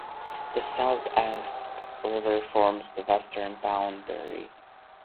The South Esk River forms the western boundary.